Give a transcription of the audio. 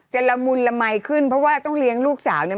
ละมุนละมัยขึ้นเพราะว่าต้องเลี้ยงลูกสาวเนี่ย